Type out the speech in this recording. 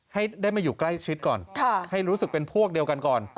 ให้ได้มาอยู่ใกล้ชิดก่อนให้รู้สึกเป็นพวกเดียวกันก่อน